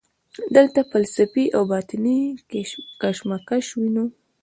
دلته فلسفي او باطني کشمکش وینو.